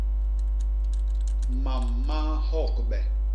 Mam ma nhogbe.